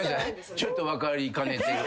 ちょっと分かりかねてる。